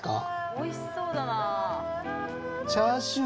おいしそうだなぁ。